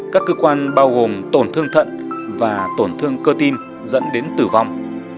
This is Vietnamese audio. các cơ quan bao gồm tổn thương thận và tổn thương cơ tim dẫn đến tử vong